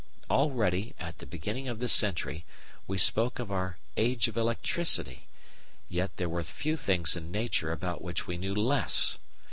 Already, at the beginning of this century, we spoke of our "age of electricity," yet there were few things in nature about which we knew less.